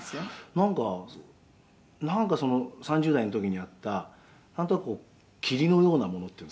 「なんかなんかその３０代の時にあったなんとなくこう霧のようなものっていうんですかね